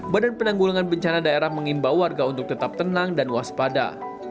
badan penanggulangan bencana daerah mengimbau warga untuk tetap tenang dan waspada